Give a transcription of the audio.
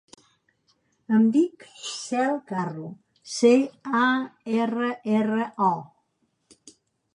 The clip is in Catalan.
Em dic Cel Carro: ce, a, erra, erra, o.